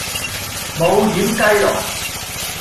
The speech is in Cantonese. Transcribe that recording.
冇厴雞籠